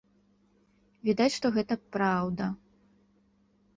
Відаць, што гэта праўда.